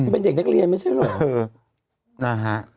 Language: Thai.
เป็นเด็กนักเรียนไม่ใช่เหรอ